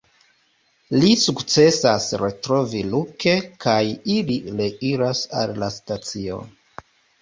Li sukcesas retrovi Luke kaj ili reiras al la stacio.